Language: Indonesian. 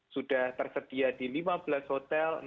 sudah tersedia di lima belas hotel